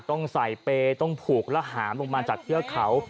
ต้องใส่เปรย์ต้องผูกแล้วหามลงมาจากเทือกเขา